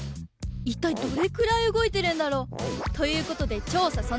いったいどれくらい動いてるんだろう？ということで調査